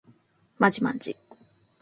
まじまんじ